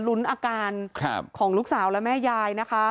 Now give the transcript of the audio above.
ลุ้นอาการของลูกสาวและแม่ยายนะคะ